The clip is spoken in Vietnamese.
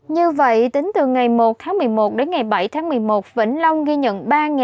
như vậy tính từ ngày một tháng một mươi một đến ngày bảy tháng một mươi một vĩnh long ghi nhận